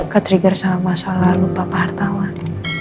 ketrigger sama masa lalu papa hartawan